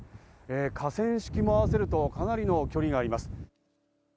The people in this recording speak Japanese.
河川敷も合わせるとかなりの距離があります。